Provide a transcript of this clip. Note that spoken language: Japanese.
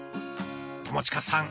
友近さん